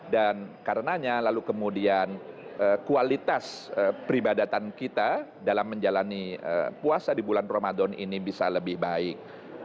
dan karenanya lalu kemudian kualitas peribadatan kita dalam menjalani puasa di bulan ramadhan ini bisa lebih baik